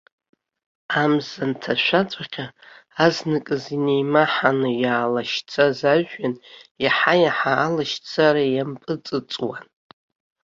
Амза анҭашәаҵәҟьа, азныказ инеимаҳаны иаалашьцаз ажәҩан, иаҳа-иаҳа алашьцара иампыҵыҵуан.